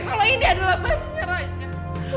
kalau ini adalah benar benar